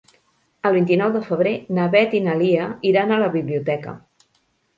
El vint-i-nou de febrer na Beth i na Lia iran a la biblioteca.